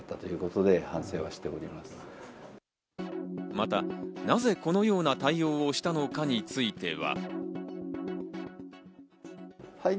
また、なぜこのような対応をしたのかについては。